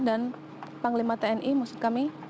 dan panglima tni musik kami